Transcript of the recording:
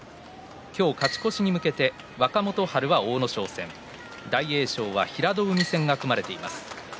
今日、勝ち越しに向けて若元春は阿武咲戦大栄翔は平戸海戦が組まれています。